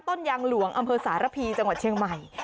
ต้นยางหลวงอำเภอสารพีจังหวัดเชียงใหม่